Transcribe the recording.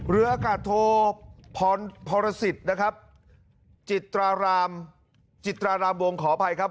เรืออากาศโทพรพรสิทธิ์นะครับจิตรารามจิตรารามวงขออภัยครับ